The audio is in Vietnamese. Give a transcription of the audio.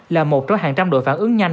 là một trong hàng trăm đội phản ứng nhanh